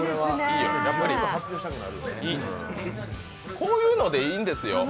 こういうのでいいんですよ。